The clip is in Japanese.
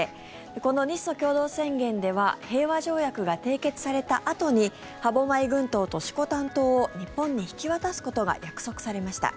この日ソ共同宣言では平和条約が締結されたあとに歯舞諸島と色丹島を日本に引き渡すことが約束されました。